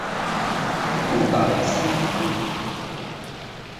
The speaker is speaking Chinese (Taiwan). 五大類思考力